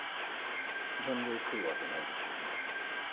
呼んで来るわけないですよね。